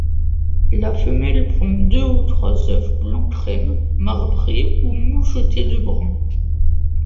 La femelle pond deux ou trois œufs blanc-crème, marbrés ou mouchetés de brun.